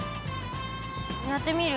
やってみる？